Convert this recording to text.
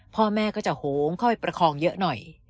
พ่อแม่ก็จะโหงค่อยประคองเยอะหน่อย